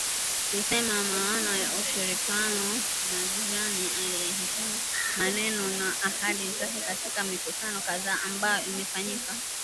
Kusema maana ya ushirikiano na jirani aiyeheshimu maneno na ahadi zake katika mikutano kadhaa ambayo imefanyika